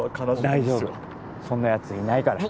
大丈夫そんなやついないから